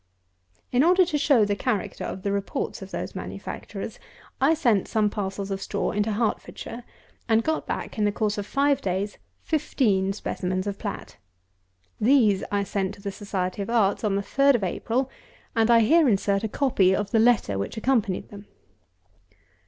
220. In order to show the character of the reports of those manufacturers, I sent some parcels of straw into Hertfordshire, and got back, in the course of five days, fifteen specimens of plat. These I sent to the Society of Arts on the 3d of April; and I here insert a copy of the letter which accompanied them.